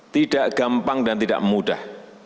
tidak gampang dan tidak mudah